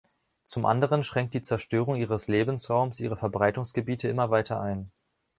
Zum anderen schränkt die Zerstörung ihres Lebensraums ihre Verbreitungsgebiete immer weiter ein.